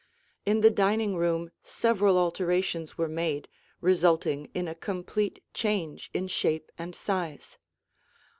In the dining room several alterations were made, resulting in a complete change in shape and size.